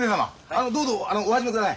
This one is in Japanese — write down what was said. あのどうぞお始めください。